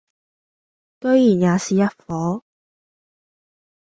居然也是一夥；